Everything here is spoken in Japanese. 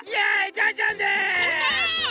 ジャンジャンです。